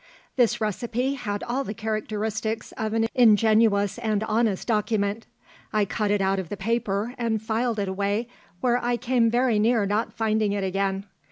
This recipe had all the characteristics of an ingenuous and honest document. I cut it out of the paper and filed it away where I came very near not finding it again.